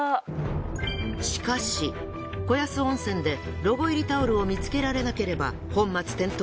しかし子安温泉でロゴ入りタオルを見つけられなければ本末転倒。